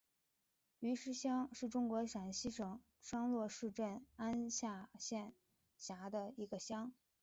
余师乡是中国陕西省商洛市镇安县下辖的一个乡。